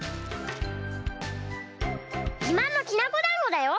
「じまんのきなこだんごだよ！」。